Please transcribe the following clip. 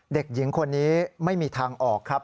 เด็กหญิงคนนี้ไม่มีทางออกครับ